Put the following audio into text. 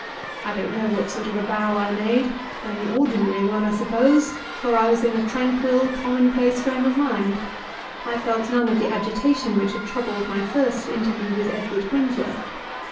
I don't know what sort of a bow I made; an ordinary one, I suppose, for I was in a tranquil, commonplace frame of mind; I felt none of the agitation which had troubled my first interview with Edward Crimsworth.